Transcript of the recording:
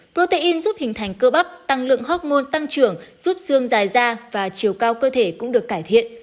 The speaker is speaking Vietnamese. protein giúp hình thành cơ bắp tăng lượng hormôn tăng trưởng giúp xương dài da và chiều cao cơ thể cũng được cải thiện